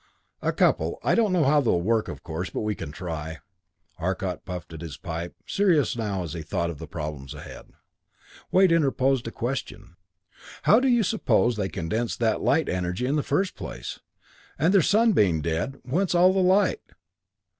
"A couple. I don't know how they'll work, of course; but we can try." Arcot puffed at his pipe, serious now as he thought of the problems ahead. Wade interposed a question. "How do you suppose they condense that light energy in the first place, and, their sun being dead, whence all the light?